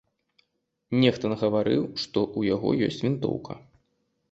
Нехта нагаварыў, што ў яго ёсць вінтоўка.